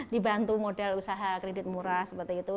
dantu model usaha kredit murah seperti itu